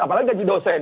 apalagi gaji dosen